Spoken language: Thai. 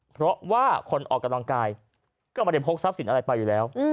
เพราะว่าคนออกกำลังกายก็ไม่ได้พกทรัพย์สินอะไรไปอยู่แล้ว